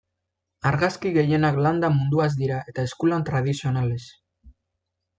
Argazki gehienak landa munduaz dira eta eskulan tradizionalez.